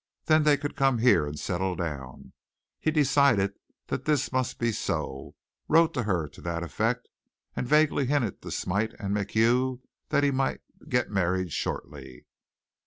Then they could come here and settle down. He decided that this must be so, wrote to her to that effect, and vaguely hinted to Smite and MacHugh that he might get married shortly.